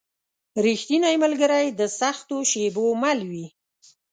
رښتینی ملګری د سختو شېبو مل وي.